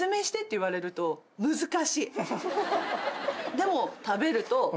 でも。